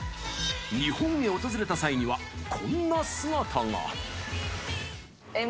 日本へ訪れた際にはこんな姿が。